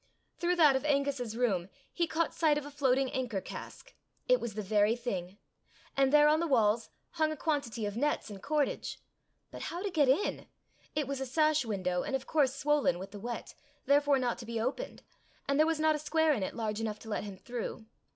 Through that of Angus's room, he caught sight of a floating anker cask. It was the very thing! and there on the walls hung a quantity of nets and cordage! But how to get in? It was a sash window, and of course swollen with the wet, therefore not to be opened; and there was not a square in it large enough to let him through.